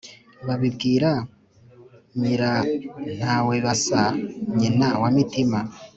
Babibwira Nyirantawebasa nyina wa Mitima,